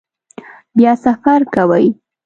بیا سفر کوئ؟